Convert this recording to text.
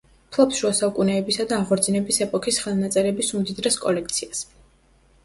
ფლობს შუა საუკუნეებისა და აღორძინების ეპოქის ხელნაწერების უმდიდრეს კოლექციას.